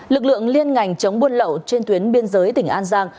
lực lượng liên ngành chống buôn lậu trên tuyến biên giới tỉnh an giang